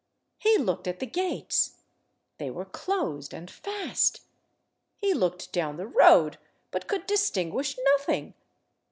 He looked at the gates. They were closed and fast. He looked down the road, but could distinguish nothing.